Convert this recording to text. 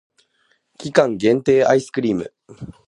期間限定アイスクリーム